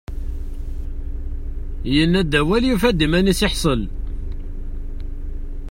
Yenna-d awal, yufa-d iman-is iḥṣel.